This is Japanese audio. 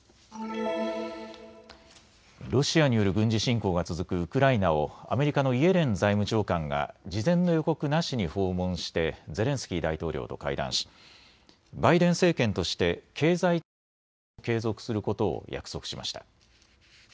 ロシアによる軍事侵攻が続くウクライナをアメリカのイエレン財務長官が事前の予告なしに訪問してゼレンスキー大統領と会談しバイデン政権として経済的な支援も継続することを約束しました。